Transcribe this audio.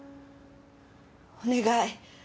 お願い！